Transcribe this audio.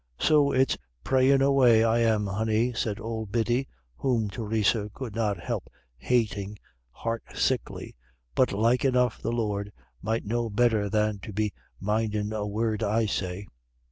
So it's prayin' away I am, honey," said old Biddy, whom Theresa could not help hating heart sickly. "But like enough the Lord might know better than to be mindin' a word I say."